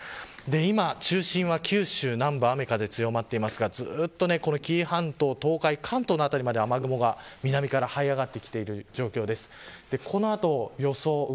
今中心は九州南部雨風強まっていますがずっと紀伊半島、東海関東の辺りまで雨雲が南からはい上がってきている状況です。